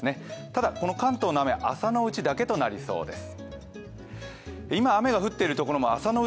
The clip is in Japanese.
ただ、この関東の雨は朝のうちだけとなりそうです。